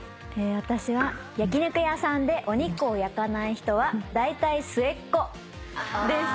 私は焼き肉屋さんでお肉を焼かない人はだいたい末っ子です。